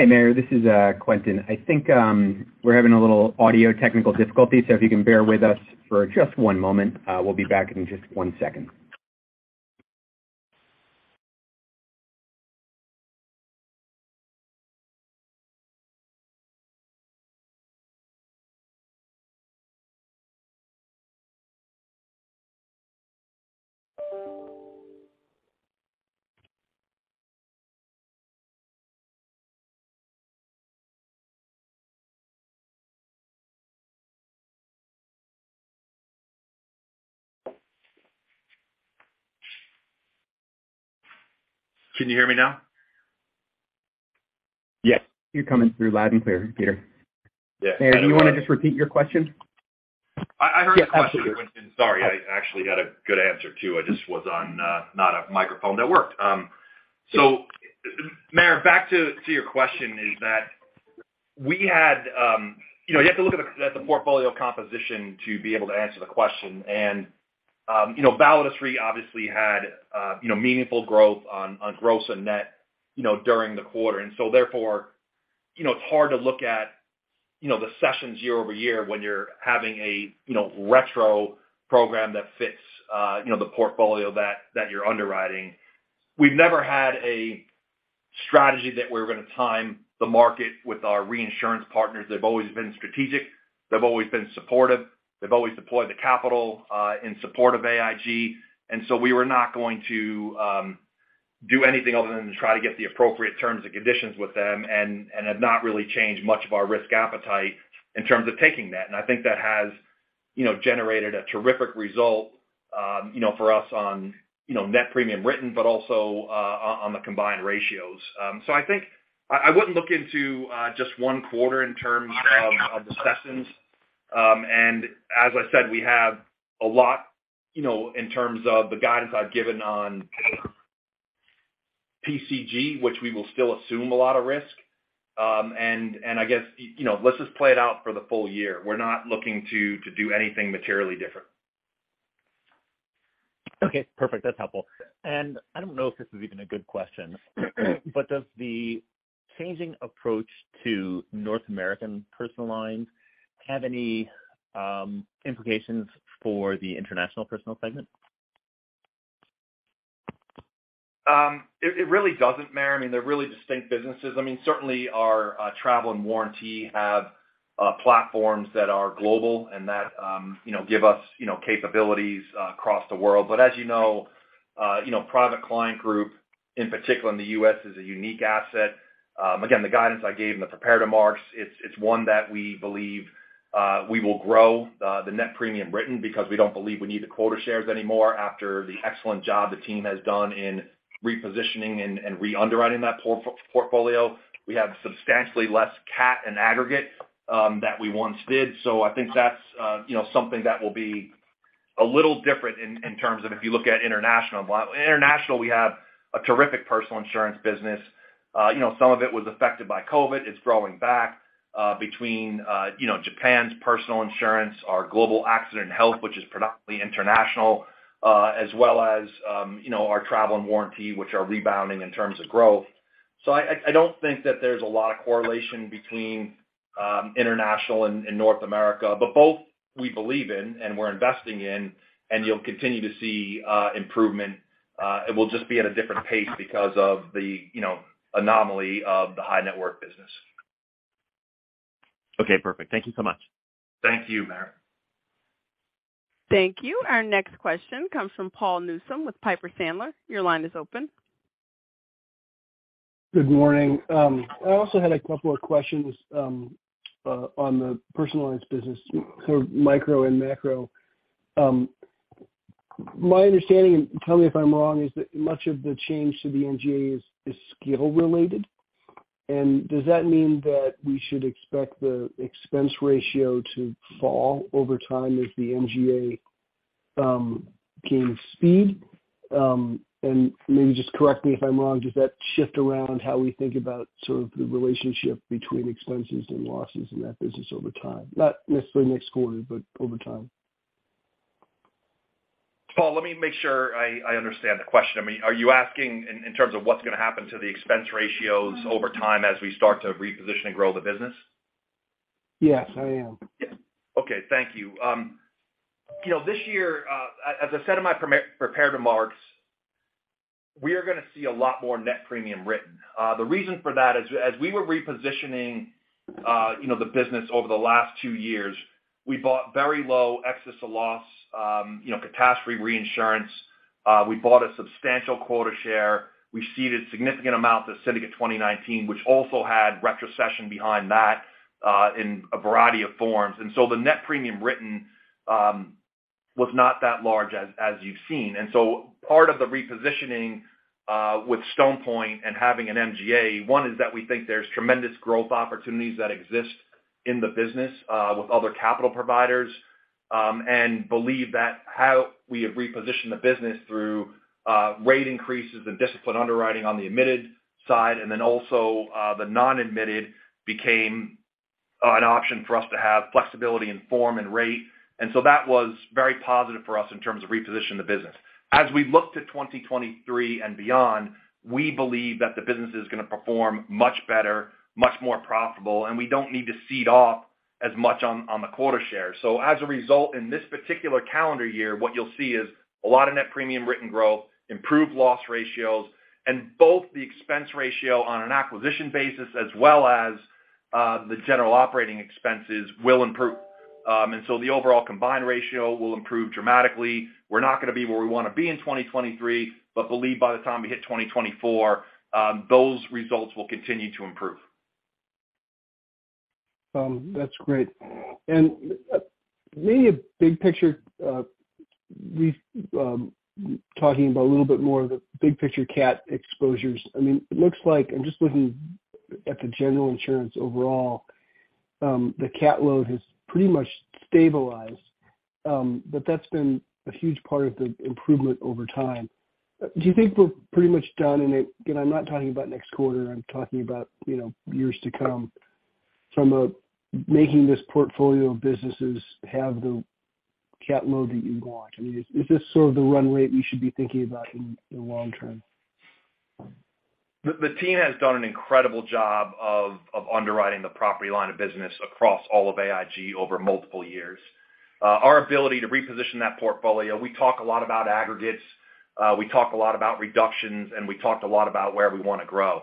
Hi, Meyer. This is Quentin. I think we're having a little audio technical difficulty, so if you can bear with us for just one moment, we'll be back in just one second. Can you hear me now? Yes. You're coming through loud and clear, Peter. Yes. Meyer, do you want to just repeat your question? I heard the question, Quentin. Sorry. I actually had a good answer, too. I just was on not a microphone that worked. Meyer, back to your question is that we had, you know, you have to look at the, at the portfolio composition to be able to answer the question. You know, Validus Re obviously had, you know, meaningful growth on gross and net, you know, during the quarter. Therefore, you know, it's hard to look at, you know, the sessions year-over-year when you're having a, you know, retro program that fits, you know, the portfolio that you're underwriting. We've never had a strategy that we're going to time the market with our reinsurance partners. They've always been strategic. They've always been supportive. They've always deployed the capital in support of AIG. We were not going to do anything other than try to get the appropriate terms and conditions with them and have not really changed much of our risk appetite in terms of taking that. I think that has, you know, generated a terrific result, you know, for us on, you know, net premium written, but also on the combined ratios. I think I wouldn't look into just one quarter in terms of the sessions. As I said, we have a lot, you know, in terms of the guidance I've given on PCG, which we will still assume a lot of risk. I guess, you know, let's just play it out for the full year. We're not looking to do anything materially different. Okay. Perfect. That's helpful. I don't know if this is even a good question. Does the changing approach to North American personal lines have any implications for the international personal segment? It, it really doesn't, Meyer. I mean, they're really distinct businesses. I mean, certainly our, travel and warranty have, platforms that are global and that, you know, give us, you know, capabilities, across the world. As you know, you know, Private Client Group, in particular in the U.S., is a unique asset. Again, the guidance I gave in the prepared remarks, it's one that we believe, we will grow, the net premium written because we don't believe we need the quota shares anymore after the excellent job the team has done in repositioning and re-underwriting that portfolio. We have substantially less CAT and aggregate that we once did. I think that's, you know, something that will be a little different in terms of if you look at international. International, we have a terrific personal insurance business. You know, some of it was affected by COVID. It's growing back, between, you know, Japan's personal insurance, our global accident health, which is predominantly international, as well as, you know, our travel and warranty, which are rebounding in terms of growth. I don't think that there's a lot of correlation between, international and North America, but both we believe in and we're investing in, and you'll continue to see, improvement. It will just be at a different pace because of the, you know, anomaly of the high net worth business. Okay, perfect. Thank you so much. Thank you, Merritt. Thank you. Our next question comes from Paul Newsome with Piper Sandler. Your line is open. Good morning. I also had a couple of questions on the personal lines business, sort of micro and macro. My understanding, tell me if I'm wrong, is that much of the change to the NGA is skill related. Does that mean that we should expect the expense ratio to fall over time as the NGA gains speed? Maybe just correct me if I'm wrong, does that shift around how we think about sort of the relationship between expenses and losses in that business over time? Not necessarily next quarter, but over time. Paul, let me make sure I understand the question. I mean, are you asking in terms of what's gonna happen to the expense ratios over time as we start to reposition and grow the business? Yes, I am. Okay. Thank you. You know, this year, as I said in my prepared remarks, we are gonna see a lot more net premium written. The reason for that is as we were repositioning, you know, the business over the last 2 years, we bought very low excess to loss, you know, catastrophe reinsurance. We bought a substantial quota share. We ceded significant amounts of Syndicate 2019, which also had retrocession behind that, in a variety of forms. The net premium written was not that large as you've seen. Part of the repositioning with Stone Point and having an MGA, one is that we think there's tremendous growth opportunities that exist in the business with other capital providers, and believe that how we have repositioned the business through rate increases and disciplined underwriting on the admitted side, and then also the non-admitted became an option for us to have flexibility in form and rate. That was very positive for us in terms of reposition the business. As we look to 2023 and beyond, we believe that the business is gonna perform much better, much more profitable, and we don't need to cede off as much on the quota share. As a result, in this particular calendar year, what you'll see is a lot of net premium written growth, improved loss ratios, and both the expense ratio on an acquisition basis as well as the general operating expenses will improve. The overall combined ratio will improve dramatically. We're not gonna be where we wanna be in 2023, but believe by the time we hit 2024, those results will continue to improve. That's great. Maybe a big picture, we've talking about a little bit more of the big picture CAT exposures. I mean, it looks like, I'm just looking at the General Insurance overall, the CAT load has pretty much stabilized, but that's been a huge part of the improvement over time. Do you think we're pretty much done? Again, I'm not talking about next quarter, I'm talking about, you know, years to come from a making this portfolio of businesses have the CAT load that you want. I mean, is this sort of the runway we should be thinking about in the long term? The team has done an incredible job of underwriting the property line of business across all of AIG over multiple years. Our ability to reposition that portfolio, we talk a lot about aggregates, we talk a lot about reductions, and we talked a lot about where we wanna grow.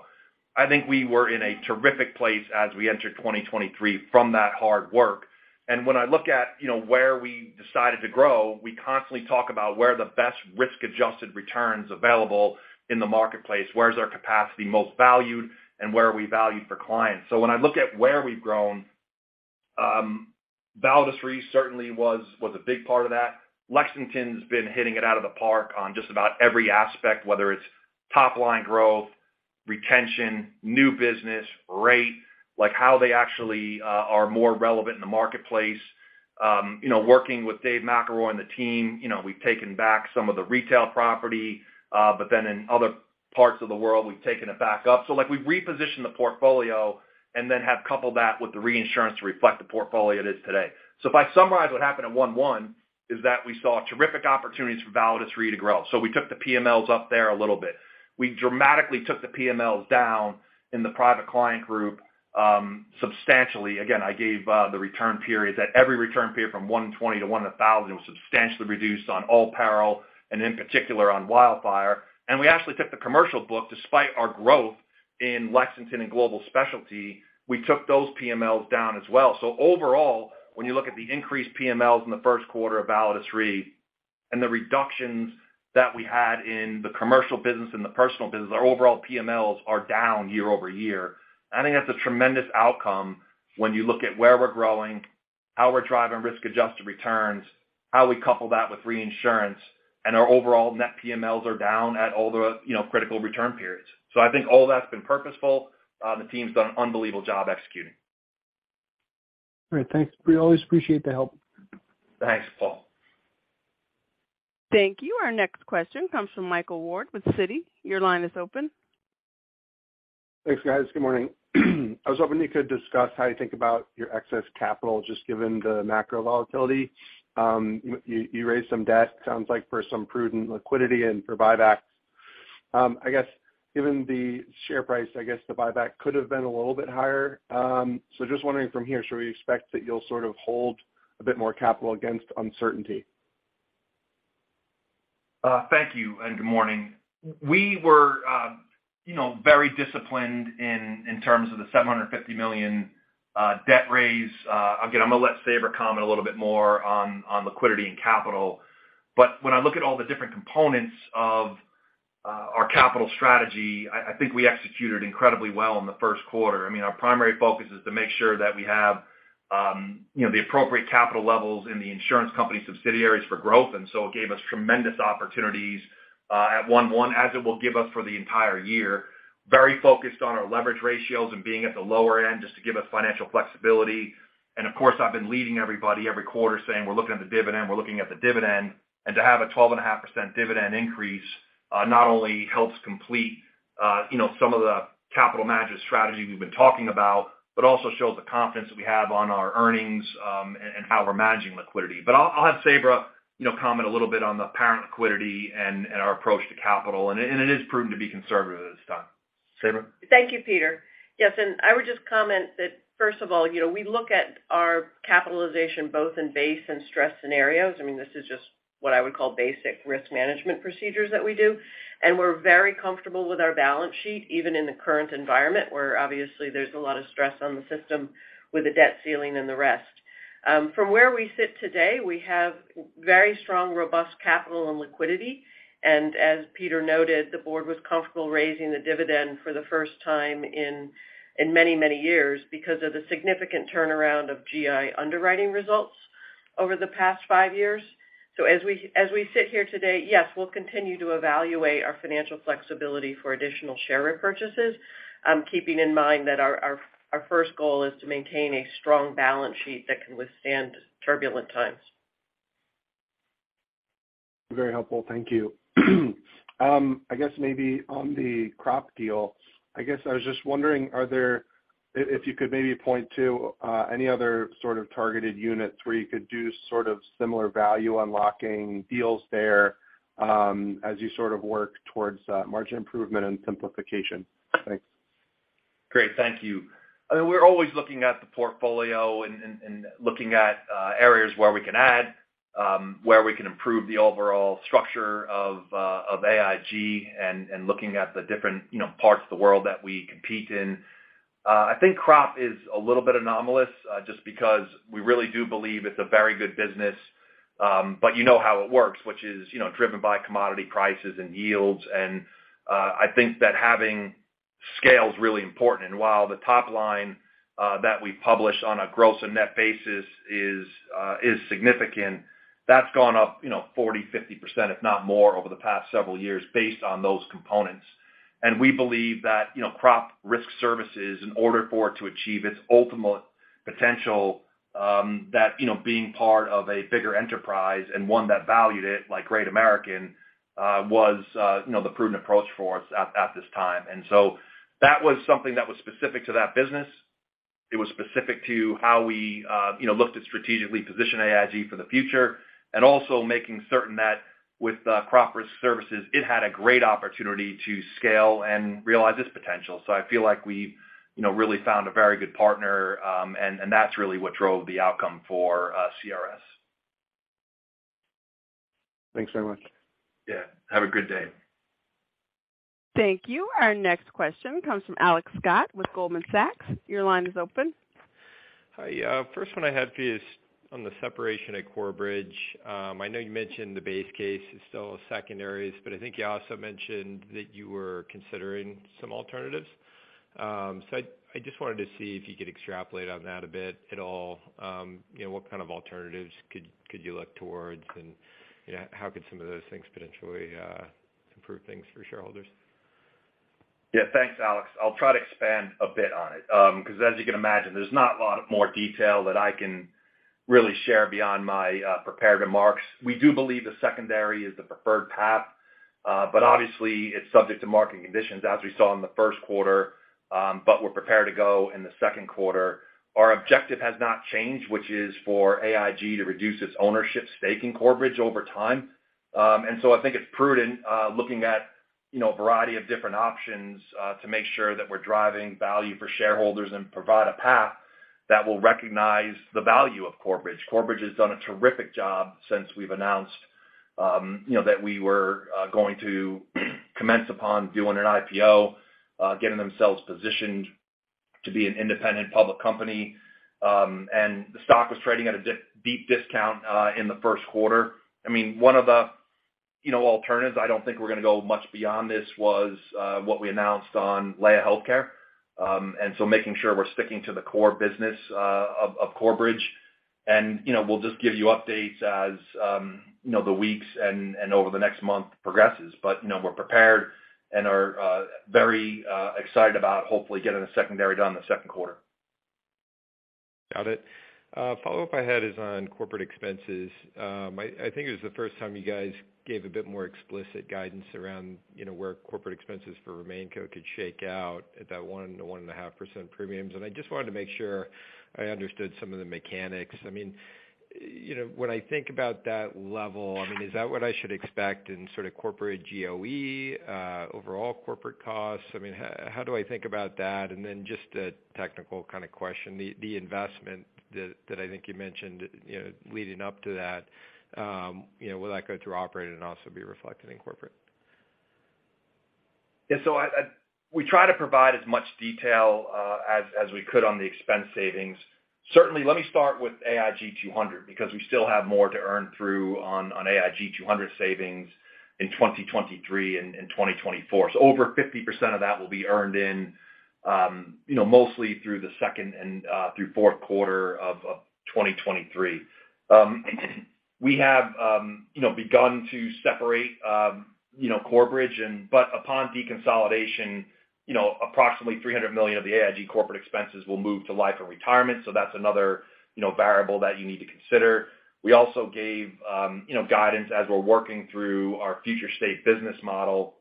I think we were in a terrific place as we entered 2023 from that hard work. When I look at, you know, where we decided to grow, we constantly talk about where the best risk-adjusted returns available in the marketplace, where's our capacity most valued, and where are we valued for clients. When I look at where we've grown, Validus Re certainly was a big part of that. Lexington's been hitting it out of the park on just about every aspect, whether it's top-line growth, retention, new business, rate, like how they actually are more relevant in the marketplace. You know, working with Dave McElroy and the team, you know, we've taken back some of the retail property, in other parts of the world, we've taken it back up. Like, we've repositioned the portfolio and then have coupled that with the reinsurance to reflect the portfolio it is today. If I summarize what happened at 1-1 is that we saw terrific opportunities for Validus Re to grow. We took the PMLs up there a little bit. We dramatically took the PMLs down in the Private Client Group, substantially. Again, I gave the return periods. At every return period from 120 to 1,000, it was substantially reduced on all peril, and in particular on wildfire. We actually took the commercial book, despite our growth in Lexington and Global Specialty, we took those PMLs down as well. Overall, when you look at the increased PMLs in the first quarter of Validus Re and the reductions that we had in the commercial business and the personal business, our overall PMLs are down year-over-year. I think that's a tremendous outcome when you look at where we're growing, how we're driving risk-adjusted returns, how we couple that with reinsurance, and our overall net PMLs are down at all the, you know, critical return periods. I think all that's been purposeful. The team's done an unbelievable job executing. All right, thanks. We always appreciate the help. Thanks, Paul. Thank you. Our next question comes from Michael Ward with Citi. Your line is open. Thanks, guys. Good morning. I was hoping you could discuss how you think about your excess capital just given the macro volatility. You raised some debt, sounds like for some prudent liquidity and for buyback. I guess given the share price, the buyback could have been a little bit higher. Just wondering from here, should we expect that you'll sort of hold a bit more capital against uncertainty? Thank you and good morning. We were, you know, very disciplined in terms of the $750 million debt raise. Again, I'm gonna let Sabra comment a little bit more on liquidity and capital. When I look at all the different components of our capital strategy, I think we executed incredibly well in the first quarter. I mean, our primary focus is to make sure that we have, you know, the appropriate capital levels in the insurance company subsidiaries for growth. It gave us tremendous opportunities at 1/1 as it will give us for the entire year. Very focused on our leverage ratios and being at the lower end just to give us financial flexibility. Of course, I've been leading everybody every quarter saying we're looking at the dividend, we're looking at the dividend. To have a 12.5% dividend increase, not only helps complete, you know, some of the capital management strategy we've been talking about, but also shows the confidence that we have on our earnings, and how we're managing liquidity. I'll have Sabra, you know, comment a little bit on the parent liquidity and our approach to capital. It is proven to be conservative as it's done. Sabra? Thank you, Peter. Yes. I would just comment that, first of all, you know, we look at our capitalization both in base and stress scenarios. I mean, this is just what I would call basic risk management procedures that we do. We're very comfortable with our balance sheet, even in the current environment, where obviously there's a lot of stress on the system with the debt ceiling and the rest. From where we sit today, we have very strong, robust capital and liquidity. As Peter noted, the board was comfortable raising the dividend for the first time in many, many years because of the significant turnaround of GI underwriting results over the past 5 years. As we sit here today, yes, we'll continue to evaluate our financial flexibility for additional share repurchases, keeping in mind that our first goal is to maintain a strong balance sheet that can withstand turbulent times. Very helpful. Thank you. I guess maybe on the crop deal, I guess I was just wondering, If you could maybe point to any other sort of targeted units where you could do sort of similar value unlocking deals there, as you sort of work towards margin improvement and simplification. Thanks. Great. Thank you. I mean, we're always looking at the portfolio and looking at areas where we can add, where we can improve the overall structure of AIG and looking at the different, you know, parts of the world that we compete in. I think crop is a little bit anomalous, just because we really do believe it's a very good business. But you know how it works, which is, you know, driven by commodity prices and yields. I think that having scale is really important. While the top line that we publish on a gross and net basis is significant, that's gone up, you know, 40%, 50% if not more over the past several years based on those components. We believe that, you know, Crop Risk Services in order for it to achieve its ultimate potential, that, you know, being part of a bigger enterprise and one that valued it like Great American, was, you know, the prudent approach for us at this time. That was something that was specific to that business. It was specific to how we, you know, looked at strategically position AIG for the future, and also making certain that with Crop Risk Services, it had a great opportunity to scale and realize its potential. I feel like we, you know, really found a very good partner, and that's really what drove the outcome for CRS. Thanks very much. Yeah, have a good day. Thank you. Our next question comes from Alex Scott with Goldman Sachs. Your line is open. Hi. First one I had for you is on the separation at Corebridge. I know you mentioned the base case is still secondaries, but I think you also mentioned that you were considering some alternatives. I just wanted to see if you could extrapolate on that a bit at all. You know, what kind of alternatives could you look towards? You know, how could some of those things potentially improve things for shareholders? Yeah, thanks, Alex. I'll try to expand a bit on it. 'Cause as you can imagine, there's not a lot of more detail that I can really share beyond my prepared remarks. We do believe the secondary is the preferred path, but obviously it's subject to market conditions as we saw in the first quarter, but we're prepared to go in the second quarter. Our objective has not changed, which is for AIG to reduce its ownership stake in Corebridge over time. I think it's prudent, looking at, you know, a variety of different options, to make sure that we're driving value for shareholders and provide a path that will recognize the value of Corebridge. Corebridge has done a terrific job since we've announced, you know, that we were going to commence upon doing an IPO, getting themselves positioned to be an independent public company. The stock was trading at a deep discount in the first quarter. I mean, one of the, you know, alternatives, I don't think we're gonna go much beyond this was what we announced on Laya Healthcare. Making sure we're sticking to the core business of Corebridge. You know, we'll just give you updates as, you know, the weeks and over the next month progresses. You know, we're prepared and are very excited about hopefully getting a secondary done in the second quarter. Got it. Follow-up I had is on corporate expenses. I think it was the first time you guys gave a bit more explicit guidance around, you know, where corporate expenses for RemainCo could shake out at that 1% to 1.5% premiums. I just wanted to make sure I understood some of the mechanics. I mean, you know, when I think about that level, I mean, is that what I should expect in sort of corporate GOE, overall corporate costs? I mean, how do I think about that? Just a technical kind of question, the investment that I think you mentioned, you know, leading up to that, will that go through operating and also be reflected in corporate? We try to provide as much detail as we could on the expense savings. Certainly, let me start with AIG 200 because we still have more to earn through on AIG 200 savings in 2023 and in 2024. Over 50% of that will be earned in, you know, mostly through the second and through fourth quarter of 2023. We have, you know, begun to separate, you know, Corebridge and but upon deconsolidation, you know, approximately $300 million of the AIG corporate expenses will move to life and retirement, that's another, you know, variable that you need to consider. We also gave, you know, guidance as we're working through our future state business model,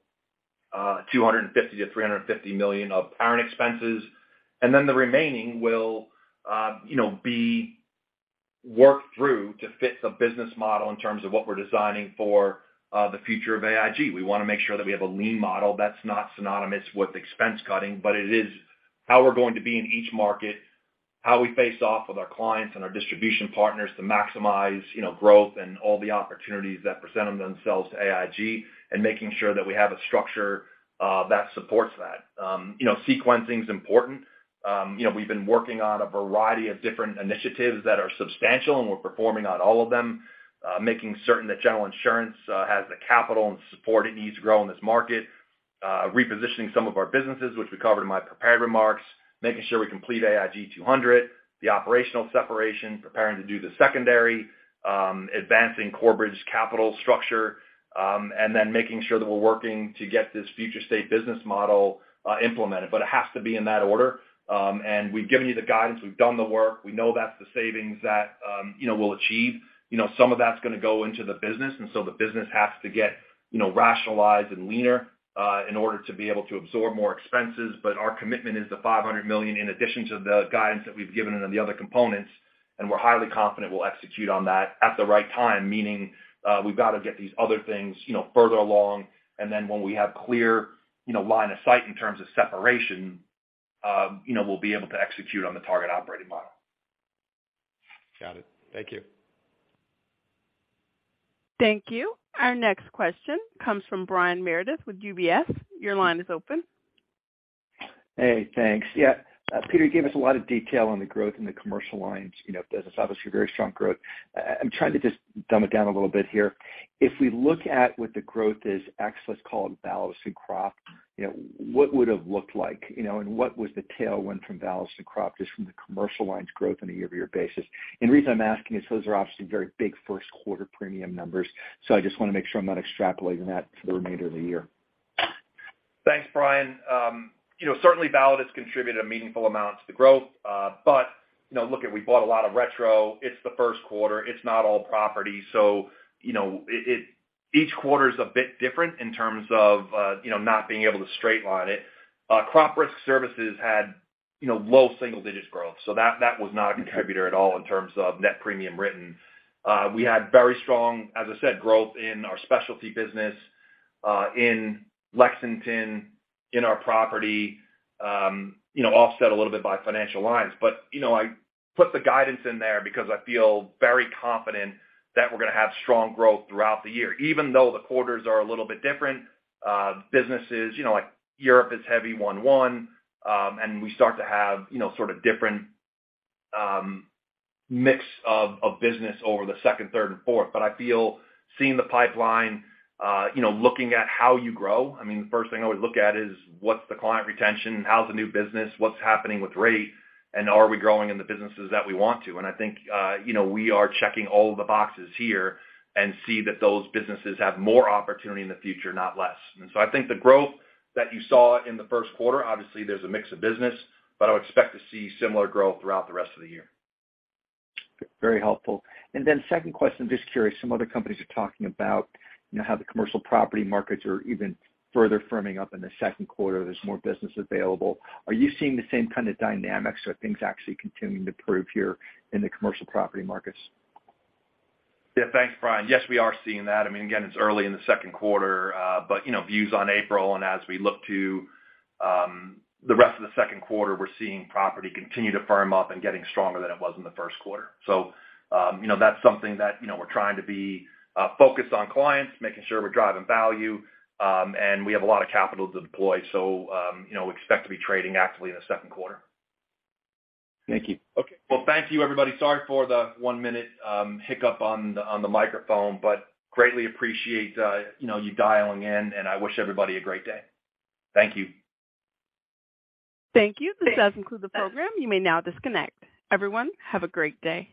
$250 million-$350 million of parent expenses. The remaining will, you know, be worked through to fit the business model in terms of what we're designing for, the future of AIG. We wanna make sure that we have a lean model that's not synonymous with expense cutting, but it is how we're going to be in each market, how we face off with our clients and our distribution partners to maximize, you know, growth and all the opportunities that present themselves to AIG, and making sure that we have a structure that supports that. You know, sequencing's important. You know, we've been working on a variety of different initiatives that are substantial, and we're performing on all of them. Making certain that General Insurance has the capital and support it needs to grow in this market. Repositioning some of our businesses, which we covered in my prepared remarks. Making sure we complete AIG 200, the operational separation, preparing to do the secondary, advancing Corebridge capital structure, and then making sure that we're working to get this future state business model implemented. It has to be in that order. We've given you the guidance, we've done the work. We know that's the savings that, you know, we'll achieve. You know, some of that's gonna go into the business, and so the business has to get, you know, rationalized and leaner, in order to be able to absorb more expenses. Our commitment is the $500 million in addition to the guidance that we've given and the other components, and we're highly confident we'll execute on that at the right time. Meaning, we've got to get these other things, you know, further along, and then when we have clear, you know, line of sight in terms of separation, you know, we'll be able to execute on the target operating model. Got it. Thank you. Thank you. Our next question comes from Brian Meredith with UBS. Your line is open. Hey, thanks. Yeah, Peter, you gave us a lot of detail on the growth in the commercial lines. You know, business obviously very strong growth. I'm trying to just dumb it down a little bit here. If we look at what the growth is, X, let's call it balance to crop. You know, what would it have looked like? You know, what was the tailwind from balance to crop just from the commercial lines growth on a year-over-year basis? The reason I'm asking is those are obviously very big first quarter premium numbers. I just want to make sure I'm not extrapolating that for the remainder of the year. Thanks, Brian. You know, certainly Validus has contributed a meaningful amount to the growth. You know, look it, we bought a lot of retro. It's the first quarter. It's not all property. You know, each quarter's a bit different in terms of, you know, not being able to straight line it. Crop Risk Services had, you know, low single digits growth. That was not a contributor at all in terms of net premium written. We had very strong, as I said, growth in our specialty business, in Lexington, in our property, you know, offset a little bit by financial lines. You know, I put the guidance in there because I feel very confident that we're gonna have strong growth throughout the year. Even though the quarters are a little bit different, businesses, you know, like Europe is heavy 1-1. We start to have, you know, sort of different mix of business over the second, third, and fourth. I feel seeing the pipeline, you know, looking at how you grow, I mean, the first thing I would look at is what's the client retention? How's the new business, what's happening with rate, and are we growing in the businesses that we want to? I think, you know, we are checking all the boxes here and see that those businesses have more opportunity in the future, not less. I think the growth that you saw in the first quarter, obviously there's a mix of business, but I would expect to see similar growth throughout the rest of the year. Very helpful. Second question, just curious, some other companies are talking about, you know, how the commercial property markets are even further firming up in the second quarter. There's more business available. Are you seeing the same kind of dynamics? Are things actually continuing to improve here in the commercial property markets? Yeah. Thanks, Brian. Yes, we are seeing that. I mean, again, it's early in the second quarter, you know, views on April and as we look to the rest of the second quarter, we're seeing property continue to firm up and getting stronger than it was in the first quarter. you know, that's something that, you know, we're trying to be focused on clients, making sure we're driving value. We have a lot of capital to deploy. you know, expect to be trading actively in the second quarter. Thank you. Okay. Well, thank you, everybody. Sorry for the 1-minute hiccup on the microphone, but greatly appreciate, you know, you dialing in. I wish everybody a great day. Thank you. Thank you. This does conclude the program. You may now disconnect. Everyone, have a great day.